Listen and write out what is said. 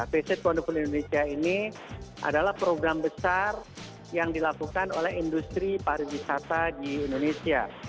face it wonderful indonesia ini adalah program besar yang dilakukan oleh industri para wisata di indonesia